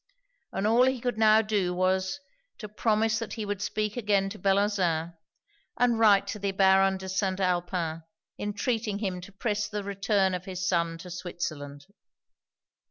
And all he could now do, was, to promise that he would speak again to Bellozane, and write to the Baron de St. Alpin, entreating him to press the return of his son to Switzerland.